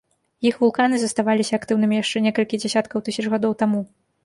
Іх вулканы заставаліся актыўнымі яшчэ некалькі дзясяткаў тысяч гадоў таму.